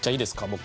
僕。